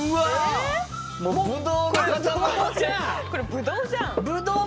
もうこれぶどうじゃん。